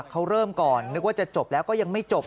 เขาเริ่มก่อนนึกว่าจะจบแล้วก็ยังไม่จบ